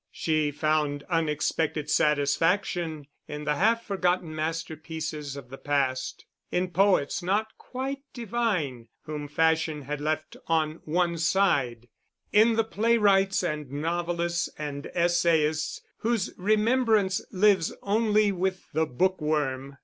She found unexpected satisfaction in the half forgotten masterpieces of the past, in poets not quite divine whom fashion had left on one side, in the playwrights, and novelists, and essayists, whose remembrance lives only with the bookworm.